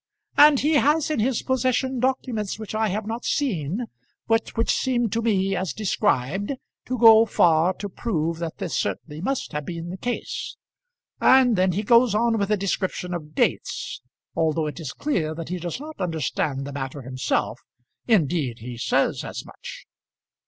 "'And he has in his possession documents which I have not seen, but which seem to me, as described, to go far to prove that this certainly must have been the case.' And then he goes on with a description of dates, although it is clear that he does not understand the matter himself indeed he says as much.